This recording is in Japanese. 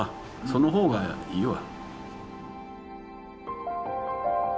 その方がいいわ。